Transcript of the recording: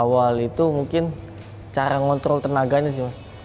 awal itu mungkin cara ngontrol tenaganya sih mas